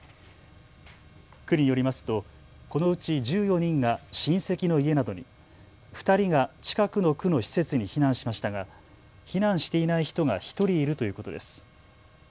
区によりますとこのうち１４人が親戚の家などに、２人が近くの区の施設に避難しましたが避難していない人が１人いるということです。